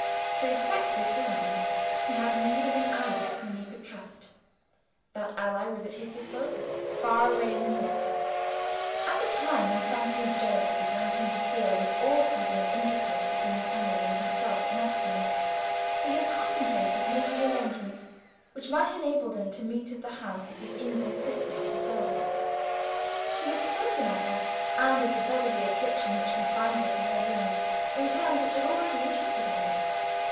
To effect this design, he had need of an ally whom he could trust. That ally was at his disposal, far away in the north. At the time when Francine's jealousy began to interfere with all freedom of intercourse between Emily and himself at Monksmoor, he had contemplated making arrangements which might enable them to meet at the house of his invalid sister, Mrs. Delvin. He had spoken of her, and of the bodily affliction which confined her to her room, in terms which had already interested Emily.